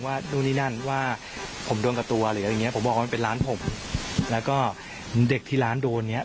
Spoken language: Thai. ระดับว่าเราเข้าออกร้านตัวเนี้ย